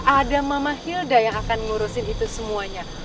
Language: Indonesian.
ada mama hilda yang akan ngurusin itu semuanya